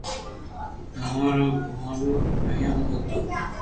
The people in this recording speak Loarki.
اووہ رو گوزارو پينيا مون ھوتو